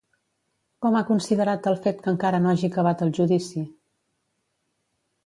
Com ha considerat el fet que encara no hagi acabat el judici?